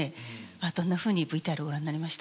どんなふうにＶＴＲをご覧になりました？